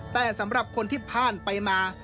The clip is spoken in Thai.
แต่สำหรับคนที่ผ่านไปมา